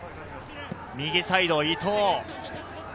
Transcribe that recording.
右サイドは伊東。